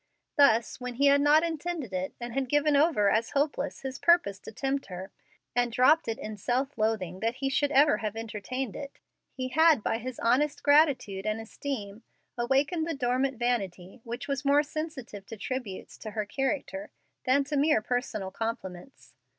Thus, when he had not intended it, and had given over as hopeless his purpose to tempt her, and dropped it in self loathing that he should ever have entertained it, he had by his honest gratitude and esteem awakened the dormant vanity which was more sensitive to tributes to her character than to mere personal compliments.